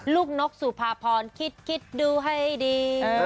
นกสุภาพรคิดดูให้ดี